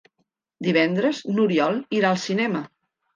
Divendres n'Oriol irà al cinema.